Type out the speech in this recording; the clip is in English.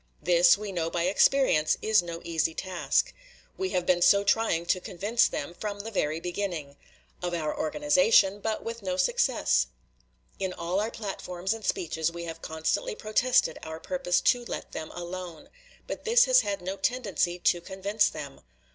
This, we know by experience, is no easy task. We have been so trying to convince them from the very beginning; of our organization, but with no success. In all our platforms and speeches we have constantly protested our purpose to let them alone; but this has had no tendency to convince them.